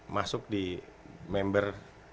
masuk di member